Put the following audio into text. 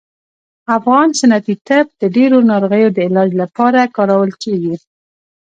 افغان سنتي طب د ډیرو ناروغیو د علاج لپاره کارول کیږي